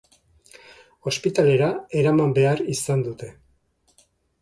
Ospitalera eraman behar izan dute.